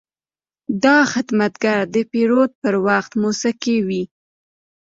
دا خدمتګر د پیرود پر وخت موسکی وي.